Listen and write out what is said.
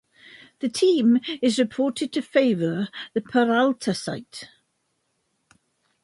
The team is reported to favor the Peralta site.